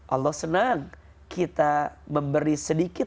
allah senang kita memberi sedikit